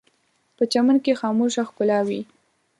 په چمن کې خاموشه ښکلا وي